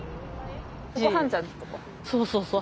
そうそうそう。